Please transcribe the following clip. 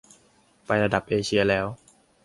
ไประดับเอเชียแล้ว !